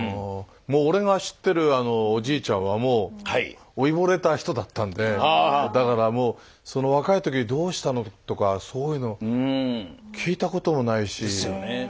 もう俺が知ってるおじいちゃんはもう老いぼれた人だったんでだからもうその若い時にどうしたのとかそういうの聞いたこともないし。ですよね。